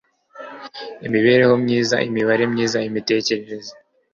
imibereho myiza, imibanire myiza, imitekerereze